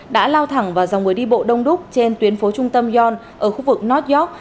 đã lao thẳng vào dòng người đi bộ đông đúc trên tuyến phố trung tâm yon ở khu vực north gióc